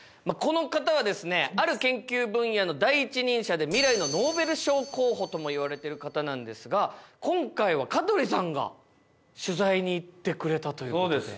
この方は、ある研究分野の第一人者で、未来のノーベル賞候補ともいわれている方なんですが、今回は香取さんが取材に行ってくれたということで。